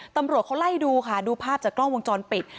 ตำรวจเขาไล่ดูค่ะดูภาพจากกล้องวงจรปิด